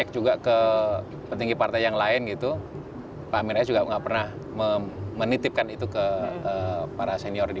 juga ke petinggi partai yang lain gitu pak mirai juga nggak pernah menitipkan itu ke para senior di